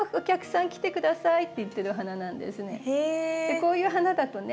こういう花だとね